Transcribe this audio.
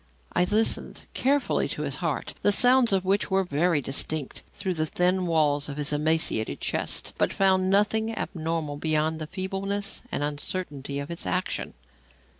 I listened carefully to his heart, the sounds of which were very distinct through the thin walls of his emaciated chest, but found nothing abnormal beyond the feebleness and uncertainty of its action.